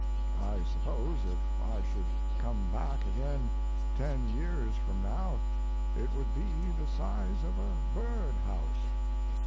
I suppose if I should come back again ten years from now it would be the size of a birdhouse."